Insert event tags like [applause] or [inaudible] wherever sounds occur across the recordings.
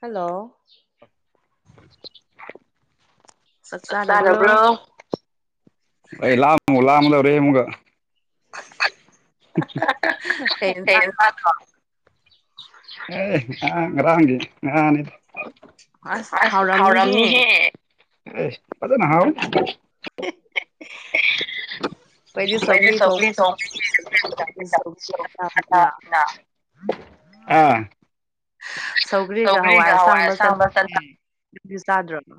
hello ꯆꯥꯛ ꯆꯥꯔꯕꯣ ꯂꯥꯡꯒꯅꯣ ꯂꯥꯡꯒꯅꯣ ꯑ [unintelligible] [inaudible] ꯀ ꯊ [unintelligible] [inaudible] ꯑꯦ ꯑꯦ ꯅꯍꯥꯟ ꯑꯁ ꯍꯥꯎꯔꯝꯅꯤ ꯍꯦ ꯖꯅꯍ [unintelligible] [inaudible] [unintelligible] [inaudible] ꯑꯩꯈꯣꯏꯗꯤ ꯁꯧꯒ꯭ꯔꯤ ꯊꯣꯡꯅꯤꯅ [inaudible] ꯑꯥ ꯁꯧꯒ꯭ꯔꯤꯒ ꯍꯋꯥꯏ ꯑꯁꯥꯡꯕ ꯆꯅꯕꯅꯦ ꯑꯗꯨꯗꯤ ꯆꯥꯗ꯭ꯔꯣꯕ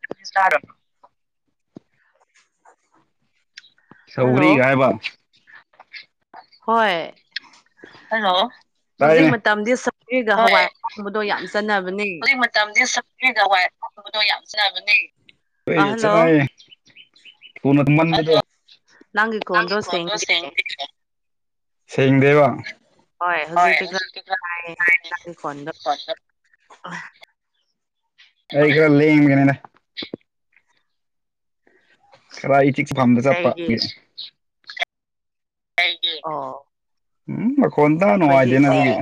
[unintelligible] [inaudible] ꯁꯧꯒꯔꯤ ꯍꯥꯏꯕ ꯍꯣꯏ ꯍꯧꯖꯤꯛ ꯃꯇꯝꯗꯤ ꯁꯒꯔꯤ ꯍꯋꯥꯏ ꯑꯔꯥꯡꯕꯗꯣ ꯌꯥꯝ ꯆꯥꯟꯅꯕꯅꯦ ꯏꯗꯣ ꯌꯥꯝ ꯆꯕꯅꯦ [inaudible] ꯅꯪꯒꯤ ꯈꯣꯟꯗꯣ ꯁꯦꯡꯗꯦ ꯁꯦꯡꯗꯦꯕꯣ ꯍꯣꯏ ꯍꯧꯖꯤ ꯑ [unintelligible] [inaudible] ꯑꯩ ꯈ ꯂꯩ ꯌꯦꯒꯅꯦꯅ [inaudible] ꯈꯔ ꯏꯊꯤꯛꯁ ꯐꯝꯗ ꯆꯠꯄꯒꯤ [inaudible] ꯎꯝ ꯃꯈꯣꯟꯇ ꯅꯨꯡꯉꯥꯏꯇꯦꯅ ꯑꯗꯨꯒꯤ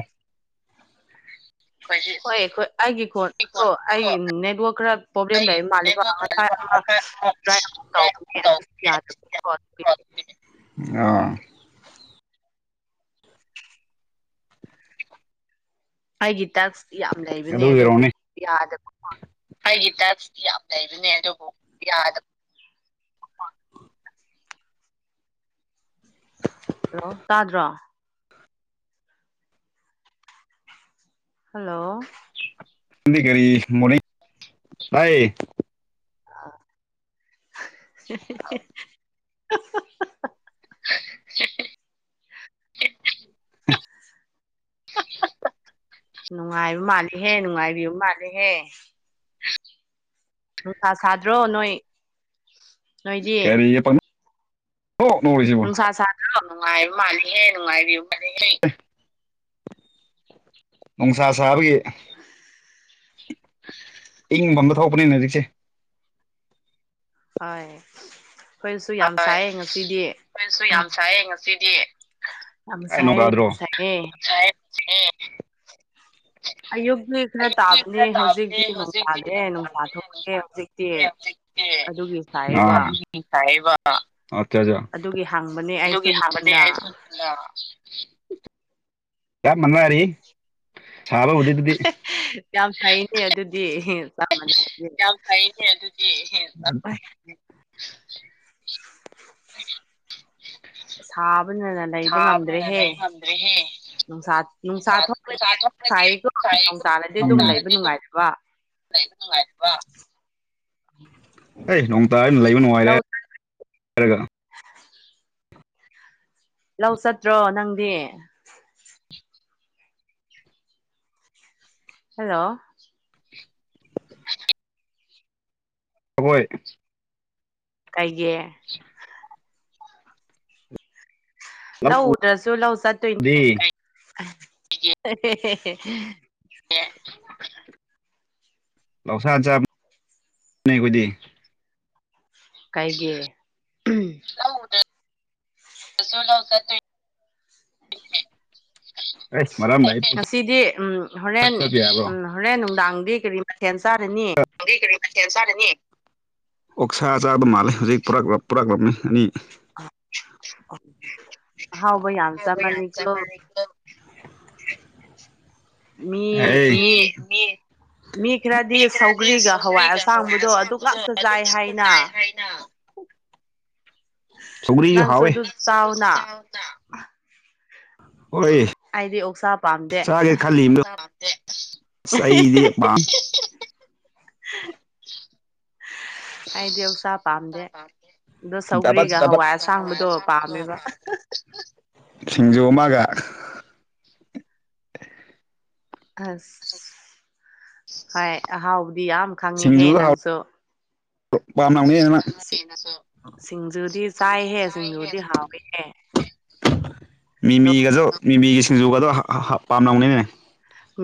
ꯍꯣꯏ ꯑꯩꯈꯣꯏ ꯑꯩꯒꯤ ꯐꯣꯟ ꯑꯗꯣ ꯑꯩꯒꯤ ꯅꯦꯠꯋꯛ ꯈꯔ ꯄ꯭ꯔꯣꯕ꯭ꯂꯦꯝ ꯂꯩ ꯃꯥꯜꯂꯤꯀꯣ ꯉꯁꯥꯏ ꯑꯃ ꯌꯥꯗꯣ [unintelligible] [inaudible] ꯑꯥ [unintelligible] [inaudible] ꯑꯩꯒꯤ ꯇꯛꯁ ꯌꯥꯝ ꯂꯩꯕꯅꯦ ꯑꯗꯨꯕꯨ ꯌꯥꯗꯕꯣ ꯑꯩꯒꯤ ꯇꯁꯇ ꯌꯥꯝ ꯂꯩꯕꯅꯦ ꯑꯗꯨꯕꯨ ꯌꯥꯗꯕ ꯍꯜꯂꯣ ꯇꯥꯗ꯭ꯔꯣ ꯍꯜꯂꯣ ꯀꯔꯤ ꯃꯅꯤ ꯇꯥꯏ [inaudible] ꯑ [unintelligible] [unintelligible] ꯅꯨꯡꯉꯥꯏꯕ ꯃꯥꯜꯂꯤꯍꯦ ꯅꯨꯡꯉꯥꯏꯕꯤꯕ ꯃꯥꯜꯂꯤꯍꯦ ꯅꯨꯡꯁꯥ ꯁꯥꯗ꯭ꯔꯣ ꯅꯣꯏ ꯅꯣꯏꯗꯤ ꯅꯨꯡꯉꯥꯏꯕ ꯃꯥꯂꯤꯍ‌ꯦ ꯅꯨꯡꯉꯥꯏꯕꯤꯕ ꯃꯥꯅꯤꯡꯉꯦ ꯅꯨꯡꯁꯥ ꯁꯥꯕꯒꯤ ꯏꯪꯐꯝꯗꯤ ꯊꯣꯛꯄꯅꯤꯅ ꯍꯧꯖꯤꯛꯁꯦ ꯍꯣꯏ ꯑꯩꯈꯣꯏꯁꯨ ꯌꯥꯝ ꯁꯥꯏꯌꯦ ꯉꯁꯤꯗꯤ ꯑꯁꯥꯏꯌꯦ ꯌꯥꯝꯁꯥꯏꯌꯦ ꯑ [unintelligible] [inaudible] ꯑꯌꯨꯛꯇꯤ ꯈꯔ ꯇꯥꯕꯅꯦ ꯍꯧꯖꯤꯛꯇꯤ ꯅꯣꯡꯗꯥꯥꯗꯦ ꯅꯨꯡꯁꯥ ꯊꯣꯛꯈꯦ ꯍꯧꯖꯤꯛꯇꯤ ꯑꯗꯨꯒꯤ ꯁꯥꯏꯕ ꯅꯤꯡꯈꯥꯏꯕ ꯑꯗꯨꯒꯤ ꯍꯥꯟꯕꯅꯦ ꯑꯩꯁꯨ ꯌꯥꯝ ꯃꯅꯥꯔꯤ ꯁꯥꯕ ꯎꯗꯗꯨꯗꯤ ꯌꯥꯝ ꯐꯩꯅꯦ ꯑꯗꯨꯗꯤ ꯌꯥꯝ ꯐꯩꯅꯦ ꯑꯗꯨꯗꯤ ꯐ ꯁꯥꯕꯅꯅ ꯂꯩꯕ ꯉꯝꯗ꯭ꯔꯦꯍꯦ ꯅꯨꯡꯁꯥ ꯅꯨꯡꯁꯥ ꯊꯣꯡꯂꯗꯤ ꯑꯗꯨꯝ ꯁꯥꯏꯀꯣ ꯅꯅꯨꯡ ꯇꯥꯅꯗꯤ ꯑꯗꯨꯝ ꯂꯩꯕ ꯅꯨꯡꯉꯥꯏꯇꯕ ꯥꯏ ꯑꯦ ꯅꯣꯡ ꯇꯥ ꯑꯣꯏꯅ ꯂꯩꯕ ꯅꯨꯡꯉꯥꯏꯔꯦ ꯍꯥꯏꯔꯒ ꯂꯧ ꯆꯠꯇ꯭ꯔꯣ ꯅꯪꯗꯤ ꯍꯜꯂꯣ ꯑꯈꯣꯏ ꯀꯩꯌꯦ [unintelligible] ꯂꯧ ꯎꯗ꯭ꯔꯁꯨ ꯂꯧ ꯆꯠꯇꯣꯏꯅꯦ ꯂꯧꯧꯁꯥ ꯆꯥꯕ ꯑꯩꯈꯣꯏꯗꯤ ꯀꯥꯏꯒꯤꯦ ꯍꯗ ꯁꯣꯂ [unintelligible] [inaudible] ꯉꯁꯤꯗꯤ ꯎꯝ ꯍꯣꯔꯦꯟ ꯎꯝ ꯍꯣꯔꯦꯟ ꯅꯨꯡꯗꯥꯡꯗꯤ ꯀꯔꯤ ꯃꯊꯦꯜ ꯆꯥꯔꯅꯤ ꯑꯣꯛꯁꯥ ꯆꯥꯕ ꯃꯥꯜꯂꯦ ꯍꯧꯖꯤꯛ ꯄꯨꯔꯛꯂꯝꯕꯃꯤ ꯑꯅꯤ ꯍꯥꯎꯕꯩ ꯑꯆꯥ ꯃꯥꯅ ꯃꯤ ꯃꯤ ꯃꯤ ꯈꯔꯗꯤ ꯁꯧꯒ꯭ꯔꯤꯒ ꯍꯋꯥꯏ ꯑꯁꯥꯡꯕꯗꯣ ꯑꯗꯨ ꯉꯥꯛꯇ ꯆꯥꯏ ꯍꯥꯏꯅ ꯆꯒꯔꯤ ꯍꯋꯦ ꯍꯣꯏ ꯑꯩꯗꯤ ꯑꯣꯁꯥ ꯆꯥꯒꯦ ꯈꯜꯂꯤ ꯑꯁ ꯑꯩꯗꯤꯝ ꯄꯥꯔꯦ ꯑꯦꯁ ꯁꯤꯡꯖꯨ ꯑꯃꯒ ꯑꯁ ꯍꯥꯏꯍꯥꯎꯕꯗꯤ ꯌꯥꯝ ꯈꯪꯉꯤꯍꯦ ꯅꯪꯁꯨ ꯄꯝꯅꯅꯦ ꯃꯤꯃꯤꯒꯁꯨ ꯃꯤꯃꯤꯒꯤ ꯁꯤꯡꯖꯨꯒꯗꯣ ꯄꯥꯝꯅꯝꯒꯅꯤꯅꯅꯦ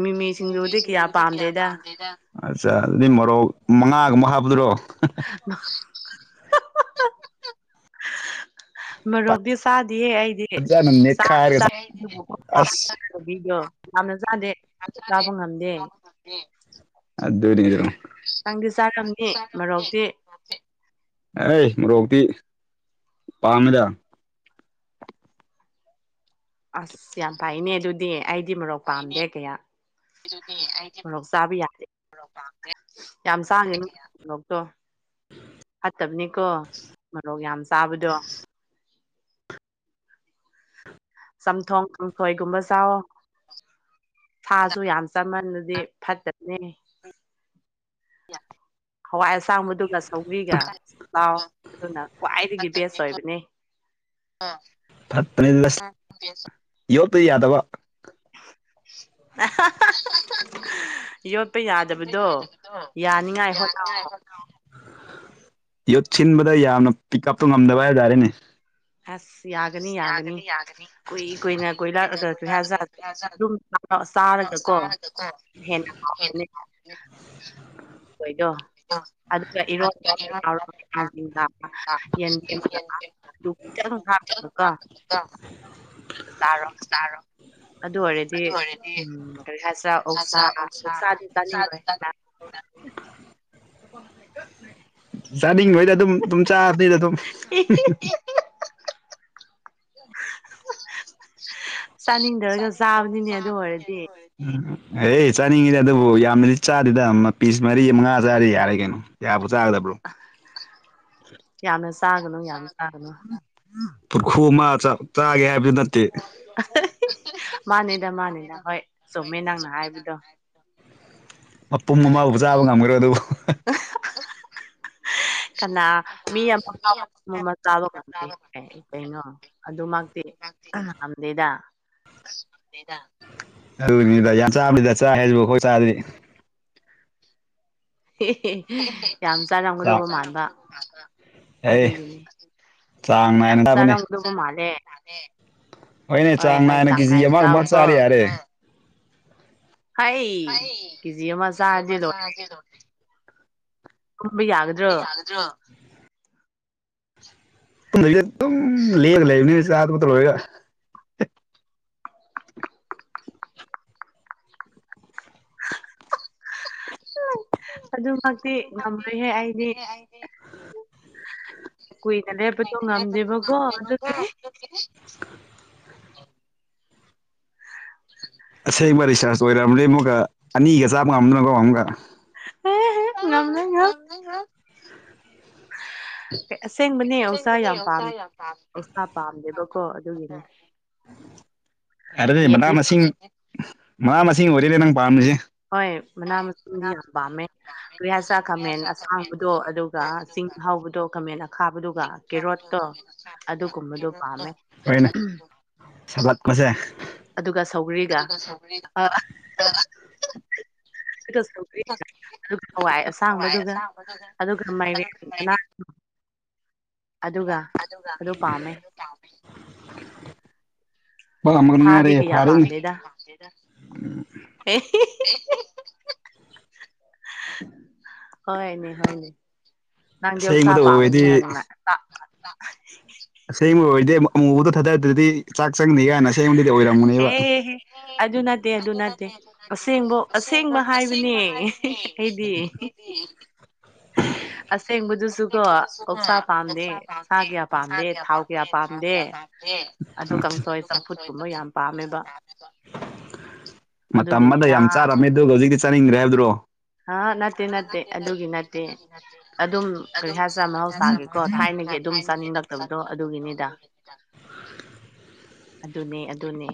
ꯃꯤꯃꯤ ꯁꯤꯡꯗꯨꯗꯤ ꯀꯌꯥ ꯄꯥꯝꯗꯦꯗ ꯑꯠꯆꯥ ꯑꯗꯨꯗꯤ ꯃꯣꯔꯣꯛ ꯃꯉꯥꯒꯨꯝꯕ ꯍꯥꯞꯄꯇꯔꯣ [inaudible] ꯃꯔꯣꯔꯣꯛꯇꯤ ꯆꯥꯗꯦꯌꯦ ꯑꯩꯗꯤ ꯆꯥꯗꯤ ꯆꯥꯏ ꯇꯧꯕꯤꯗꯣ ꯌꯥꯝꯅ ꯆꯥꯗꯦ ꯆꯥꯕ ꯉꯝꯗꯦ ꯎ ꯎꯝ ꯑꯗꯨꯗꯅꯤꯗꯣ ꯑꯩ ꯃꯣꯔꯣꯛꯇꯤ ꯄꯥꯝꯃꯤꯗ ꯑꯁ ꯌꯥꯝ ꯄꯥꯏꯅꯦ ꯑꯗꯨꯗꯤ ꯑꯩꯗꯤ ꯃꯔꯣꯛ ꯄꯥꯝꯗꯦ ꯀꯌꯥ ꯀꯣꯔꯣꯛ ꯆꯥꯕ ꯌꯥꯔꯦ ꯌꯥꯝ ꯆꯥꯡꯉꯦ ꯀꯣ ꯐꯠꯇꯕꯅꯤꯀꯣ ꯃꯔꯣꯛ ꯌꯥꯝ ꯆꯥꯕꯗꯣ ꯆꯝꯊꯣꯡ ꯆꯝꯊꯣꯏꯒꯨꯝꯕ ꯁꯥ ꯁꯥꯥꯁꯨ ꯌꯥꯝ ꯆꯃꯟꯂꯗꯤ ꯐꯠꯇꯕꯅꯦ ꯍꯋꯥꯏ ꯑꯁꯥꯡꯕꯗꯨꯒ ꯁꯧꯔꯤꯒꯥꯎ ꯑꯗꯨꯅ ꯈ꯭ꯋꯥꯏꯗꯒꯤ ꯕꯦꯁ ꯑꯣꯏꯕꯅꯦ ꯐꯠꯇꯅꯤ ꯂꯁ ꯌꯣꯛꯠꯇ ꯌꯥꯗꯕ ꯌ ꯌꯥꯗꯈꯗ ꯌꯥꯅꯤꯈ ꯌꯣꯠ ꯁꯤꯟꯕꯗ ꯌꯥꯝꯅ ꯄꯤꯛ ꯎꯞꯇꯣ ꯉꯝꯗꯕ ꯍꯥꯏꯇꯥꯔꯦꯅꯦ ꯑ ꯌꯥꯒꯅꯤ ꯌꯥꯒꯅꯤ ꯑꯩ ꯁꯥꯔꯗꯀꯣ ꯑꯣꯏꯣꯏꯗꯣ ꯑꯗꯨꯒ ꯏꯔꯣꯕꯔꯗ ꯌꯦꯟꯦꯝꯕ ꯑꯗꯨ ꯈꯤꯇꯪ ꯍꯥꯞꯂꯒꯒ ꯆꯥꯔꯣ ꯑꯗꯨ ꯑꯣꯏꯔꯗꯤ ꯎꯝ ꯀꯔꯤ ꯍꯥꯏꯁꯤꯦ ꯑꯣꯛꯁꯥ ꯑꯣꯛꯁꯥ ꯁꯥꯗꯤ ꯑꯗꯨꯝ ꯑꯗꯨꯝ ꯆꯥꯔꯅꯤꯗ ꯑꯗꯨꯝ ꯆꯅꯤꯗꯔ ꯆꯝꯅꯤꯅꯦ ꯑꯗꯨ ꯑꯣꯏ ꯎꯝ ꯑꯦ ꯆꯥꯅꯤꯡꯉꯤꯗꯤ ꯑꯗꯨꯕꯨ ꯌꯥꯝꯅꯗꯤ ꯆꯥꯗꯦꯗ ꯄꯤꯁ ꯃꯔꯤ ꯃꯉꯥ ꯆꯥꯔꯤ ꯌꯥꯔꯦ ꯀꯩꯅꯣ ꯌꯥꯕ ꯆꯥꯒꯗꯕ꯭ꯔꯣ ꯌꯥꯝꯅ ꯆꯥꯒꯅꯨ ꯌꯥꯝ ꯆꯥꯒꯅꯨ ꯄꯨꯔꯈꯨ ꯑꯃ ꯆꯥꯒꯦ ꯍꯥꯏꯕꯗꯨꯗ ꯇ ꯃꯥꯅꯤꯗ ꯃꯥꯅꯤꯗ ꯍꯣꯏ ꯆꯣꯃꯦ ꯅꯪꯅ ꯍꯥꯏꯕꯗꯣ ꯃꯄꯨꯝ ꯑꯃꯥꯎꯕ ꯆꯥꯕ ꯉꯝꯈꯔꯣꯏ ꯑꯗꯨꯕꯨ ꯑ ꯀꯅꯥ ꯃꯤ ꯑꯃꯥꯎ ꯑꯃ ꯆꯥꯕ ꯉꯝꯗꯦ ꯀꯩꯅꯣ ꯑꯗꯨꯃꯛꯇꯤ ꯉꯝꯗꯦꯗ ꯑꯗꯨꯅꯤꯗ ꯌꯥꯝ ꯆꯥꯗ ꯆ ꯍꯥꯏꯁꯤ ꯑꯩꯈꯣꯏ ꯆꯥꯗ꯭ꯔꯤ ꯌꯥꯝ ꯆꯥꯔꯝꯒꯗꯧꯕ ꯃꯥꯟꯕ ꯑꯗꯨꯒꯤꯅꯤ ꯌꯥꯁꯔ ꯎꯗꯕ ꯃꯥꯂꯦ ꯍꯣꯏ ꯍꯣꯏ ꯆꯥꯡꯅꯥꯅꯖꯎꯒꯣ ꯑꯩ ꯀꯗꯤ ꯃꯁꯖꯤ ꯊꯣꯛꯣ ꯌꯥꯒꯗ꯭ꯔꯣ [inaudible] ꯂꯦꯒ ꯂꯩꯅꯤ ꯆ ꯄꯠꯇ ꯑꯣꯏꯦꯒ ꯑꯗꯨ ꯐ ꯍꯥꯏꯗꯤ ꯀꯨꯏꯅ ꯂꯦꯞꯄꯗꯣ ꯉꯝꯗꯦꯕꯀꯣ ꯑꯗꯨꯒꯤ ꯑꯁꯦꯡꯕ ꯔꯤꯆꯥꯔꯖ ꯑꯣꯏꯔꯔꯕꯅꯤ ꯑꯃꯨꯛꯒ ꯑꯅꯤꯒ ꯆꯥꯝꯃ ꯉꯝꯅꯀꯣ ꯑꯃꯨꯛꯒ ꯍꯦ ꯍ ꯉꯝ ꯂ ꯉ ꯑ ꯍꯥ ꯑꯁꯦꯡꯕꯅꯦ ꯑꯁꯥ ꯌꯥꯝ ꯄꯥꯝꯗꯦ ꯎꯁꯥ ꯄꯥꯝꯗꯦꯕꯀꯣ ꯑꯗꯨꯒꯤꯅꯦ [unintelligible] ꯑꯗꯨꯗꯤ ꯃꯅꯥ ꯃꯁꯤꯡ ꯃꯅꯥ ꯃꯁꯤꯡ ꯑꯣꯏꯔꯦꯅꯦ ꯅꯪ ꯄꯥꯝꯃꯤꯁꯦ ꯍꯣꯏ ꯃꯅꯥ ꯃꯁꯤꯡꯗꯤ ꯌꯥꯝ ꯄꯝꯃꯦ ꯀ꯭ꯔꯤꯌꯥꯆꯥꯥ ꯀꯃꯦꯟ ꯑꯁꯥꯡꯕꯗꯣ ꯑꯗꯨꯒ ꯆꯤꯡ ꯍꯥꯎꯕꯗꯣ ꯀꯃꯦꯟ [unintelligible] ꯁꯂꯗ ꯀꯁꯦ ꯑꯗꯨꯒ ꯁꯣ ꯑꯗꯨꯒ ꯍꯋꯥꯏ ꯑꯁꯥꯡꯕꯗꯨꯒ ꯑꯗꯨꯒ ꯃꯥꯏꯔꯦꯟ ꯀꯅꯥ ꯑꯗꯨꯒ ꯑꯗꯨ ꯄꯥꯝꯃꯦ ꯉꯔꯦ ꯐꯔꯦ ꯍꯣꯏꯅꯦ ꯍꯣꯏꯅꯦ ꯅꯪ ꯗ ꯌꯧꯁꯥ ꯄꯥꯝꯕꯅꯤꯅ ꯅꯨꯡꯉꯥꯏ ꯑꯁꯦꯡꯕ ꯑꯣꯏꯔꯗꯤ ꯑꯃꯨꯕꯗꯣ ꯊꯥꯗꯔꯗ꯭ꯔꯗꯤ ꯆꯥꯛ ꯆꯪꯅꯤ ꯀꯅ ꯑꯁꯦꯡꯕꯗꯤ ꯑꯣꯏꯔꯝꯒꯅꯦꯕ [unintelligible] ꯑꯁ‌ꯦꯡꯕꯗꯁꯨ ꯀꫭ ꯑꫭꯛꯁꯥ ꯆꯥꯕꯅ‌ꯦ ꯀꯌꯥ ꯄꯥꯝꯗꯦ ꯊꯥꯎ ꯀꯌꯥ ꯄꯥꯝꯗꯦ ꯑꯗꯨꯒꯥꯝ ꯃꯇꯝ ꯑꯃꯗ ꯌꯥꯝ ꯆꯥꯔꯝꯃꯦ ꯑꯗꯨꯒ ꯍꯧꯖꯤꯛꯇꯤ ꯆꯥꯅꯤꯡꯗ꯭ꯔꯦ ꯍꯥꯏꯕꯗꯨ꯭ꯔꯣ ꯍꯥ ꯅꯠꯇꯦ ꯅꯠꯇꯦ ꯑꯗꯨꯒꯤ ꯅꯠꯇꯦ ꯑꯗꯨꯝ ꯒꯔꯤꯍꯥꯏꯁꯔ ꯃꯍꯧꯁꯥꯒꯤ ꯀꯣ ꯊꯥꯏꯅꯒꯤ ꯑꯗꯨꯝ ꯆꯥꯅꯤꯡꯂꯛꯇꯕꯗꯣ ꯑꯗꯨꯒꯤꯅꯤꯗ ꯑꯗꯨꯅꯦ ꯑꯗꯨꯅꯦ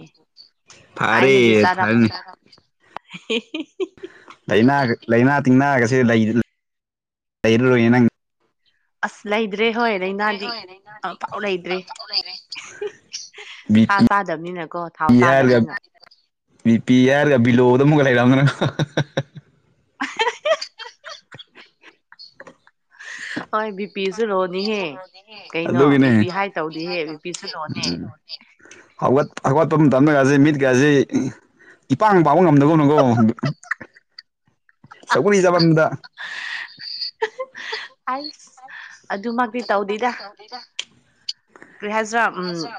ꯍꯥꯏꯅꯗꯤ ꯆꯥꯔꯝꯃꯦꯗ ꯂꯅꯥ ꯂꯥꯏꯅꯥ ꯇꯤꯡꯅꯥꯒꯁꯦ ꯂꯩꯔꯔꯣꯏꯅꯦ ꯅꯪ ꯑꯁ ꯂꯩꯇ꯭ꯔꯦ ꯍꯣꯏ ꯂꯥꯏꯅꯥꯗꯤ ꯑꯥꯄꯥꯎ ꯂꯩꯇ꯭ꯔꯦ ꯄꯥꯗꯕꯅꯤꯅꯀꯣ ꯄꯄꯤ ꯍꯥꯏꯔꯒ ꯕꯤꯄꯤ ꯍꯥꯏꯔꯒ ꯕꯤꯂꯣꯗ ꯑꯃꯨꯛꯀ ꯂꯩꯔꯑꯗꯅ ꯑꯩꯕꯤ ꯑꯗꯨꯒꯤꯅꯦ ꯍꯧꯒꯠ ꯍꯧꯒꯠꯄ ꯃꯇꯝꯒꯁꯤ ꯃꯤꯠ ꯀꯁꯤ ꯏꯄꯥꯥꯡ ꯄꯥꯕ ꯉꯝꯗꯒꯅꯨꯀꯣ ꯁꯧꯒꯔꯤ ꯆꯥꯐꯝꯗ ꯑꯩꯁ ꯑꯗꯨꯃꯛꯇꯤ ꯇꯧꯗꯦꯗ ꯎꯗ [unintelligible] ꯖ ꯎꯝ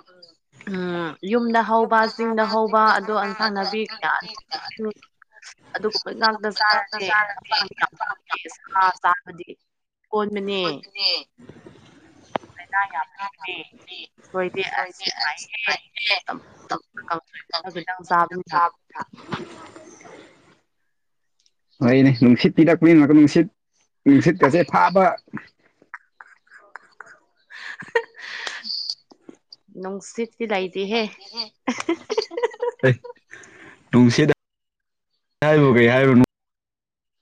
ꯎꯝ ꯌꯨꯝꯗ ꯍꯧꯕ ꯆꯤꯡꯗ ꯍꯧꯕ ꯑꯗꯣ ꯑꯦꯟꯁꯥꯡ ꯅꯥꯕꯤ ꯀꯌꯥ ꯑꯗꯨ ꯑꯗꯨꯒꯨꯝꯕꯣ ꯉꯥꯛꯇ ꯆꯥꯔꯗꯤ ꯍꯛꯆꯥꯡ ꯌꯥꯝ ꯐꯔꯅꯤ ꯁꯥ ꯆꯥꯕꯗꯤ ꯀꯣꯟꯕꯅꯦ ꯂꯥꯏꯅꯥ ꯌꯥꯝ ꯂꯩꯕꯅꯦ ꯍꯣꯏꯗꯤ ꯑꯁ ꯅꯨꯡꯉꯥꯏꯌꯦ ꯈꯤꯇꯪ ꯆꯥꯕꯅꯤꯅ [inaudible] ꯍꯣꯏꯅꯦ ꯅꯨꯡꯁꯤꯠ ꯄꯤꯔꯛꯄꯅꯤꯅ ꯅꯨꯡꯁꯤꯠ ꯅꯨꯡꯁꯤꯠꯀꯥꯁꯦ ꯐꯥꯕ ꯅꯪꯁꯤꯠ ꯅꯨꯡꯁꯤꯗ ꯌꯥꯕ ꯀꯩ ꯍꯥꯏꯕ [unintelligible]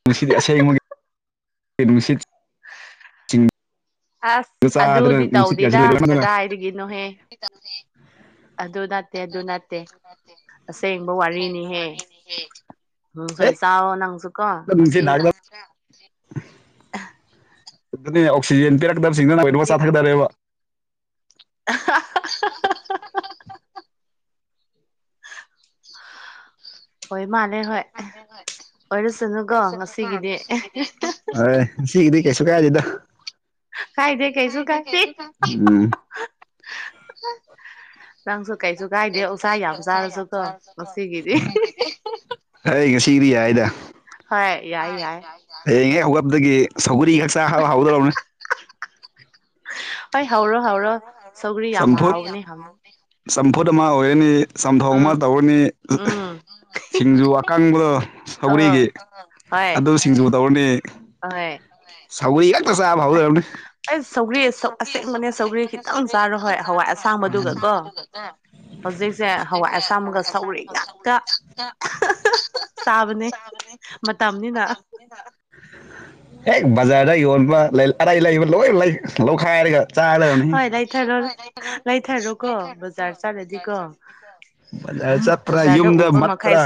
ꯅꯨꯡꯁꯤꯠ ꯑꯁꯦꯡꯕꯒꯤ ꯅꯨꯡꯁꯤꯠ ꯑꯁ ꯑꯗꯨꯗꯤ ꯇꯧꯗꯦꯗ ꯀꯗꯥꯏꯗꯒꯤꯅꯣꯍꯦ ꯑꯗꯨ ꯅꯠꯇꯦ ꯑꯗꯨ ꯅꯠꯇꯦ ꯑꯁꯦꯡꯕ ꯋꯥꯔꯤꯅꯤꯍꯦ ꯎꯝ ꯁꯣꯏꯆꯥꯎ ꯅꯪꯁꯨꯀꫭ [unintelligible] ꯑꯥ ꯑꯗꯨ ꯑꯣꯛꯁꯤꯖꯦꯟ ꯄꯤꯔꯛꯇꯕꯁꯤꯡꯗꯨꯅꯃꯛ ꯆꯥꯊꯗꯔꯦꯕ ꯍꯥꯍꯥ ꯑꫭꯏ ꯃꯥꯂꯦ ꯅꯦ ꯀꯁꯦ [unintelligible] ꯁꯤꯒꯤꯗꯤ ꯀꯩꯁꯨ ꯀꯥꯏꯗ‌ꯦꯗ ꯍꯨꯝ ꯌꯝꯁꯨ ꯀꯩꯁꯨ ꯀꯥꯏꯗꯁ ꯆꯔꯁꯨ ꯀꫭ ꯅꯨꯄꯤꯒꯤꯗꯤ ꯑꯩ ꯁꯤꯔꯤꯗꯤ ꯌꯥꯏꯗ ꯍꯌꯦꯡ ꯍ‌ꯦꯛ ꯍꯧꯒꯠꯄꯗꯒꯤ ꯁꯧꯒꯔꯤ ꯈꯛ ꯆꯥꯍ ꯍꯧꯗꯧꯕꯅꯦ ꯆꯝꯐꯨꯠ ꯆꯝꯐꯨꯠ ꯑꯃ ꯑꯣꯏꯔꯅꯤ ꯆꯝꯊꯣꯡ ꯑꯃ ꯇꯧꯔꯅꯤ ꯁꯤꯡꯖꯨ ꯑꯀꯪꯕꯗꯣ ꯁꯧꯒꯔꯤꯒꯤ ꯑꯗꯨ ꯁꯤꯡꯖꯨ ꯇꯧꯔꯅꯤ ꯑꯍꯣꯏ ꯁꯧꯒꯔꯤ ꯍ‌ꯦꯛꯇ ꯆꯥꯕ ꯍꯧꯗꫭꯔꯝꯅ‌ꯦ [unintelligible] ꯍꯧꯖꯤꯛꯁꯦ ꯍꯋꯥꯏ ꯑꯁꯥꯡ ꯁꯧꯒꯔꯤ ꯆꯥꯕꯅꯦ ꯃꯇꯝ ꯍꯦꯛ ꯕꯖꯥꯔꯗ ꯌꯣꯟꯕ ꯑꯔꯥꯏ ꯂꯩꯕ ꯂꯣꯏ ꯂꯩ ꯂꯧꯈꯥꯏꯔꯒ ꯆꯥꯂꯅꯤꯍ‌ꯦ ꯕꯖꯥꯔ ꯆꯠꯄꯔ ꯌꯨꯝꯗ ꯃꯠꯄꯔ